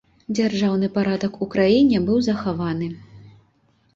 Дзяржаўны парадак у краіне быў захаваны.